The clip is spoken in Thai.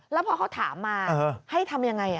แล้วพอเขาถามมาให้ทำยังไง